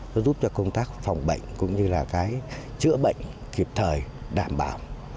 nó giúp cho công tác phòng bệnh cũng như là cái chữa bệnh kịp thời đảm bảo